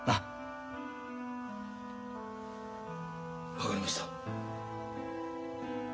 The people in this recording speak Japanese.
分かりました。